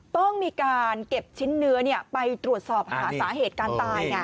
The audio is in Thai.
ต้องมีการเก็บชิ้นเนื้อไปตรวจสอบหาสาเหตุการตายไง